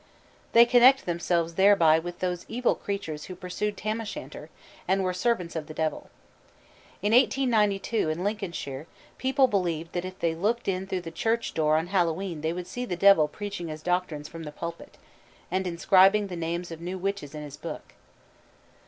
_ They connect themselves thereby with those evil creatures who pursued Tam o' Shanter, and were servants of the Devil. In 1892 in Lincolnshire, people believed that if they looked in through the church door on Hallowe'en they would see the Devil preaching his doctrines from the pulpit, and inscribing the names of new witches in his book.